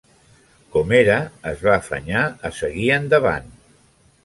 Com era, es va afanyar a seguir endavant.